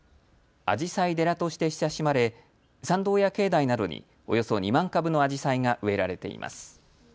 あじさい寺として親しまれ、参道や境内などにおよそ２万株のアジサイが植えられています。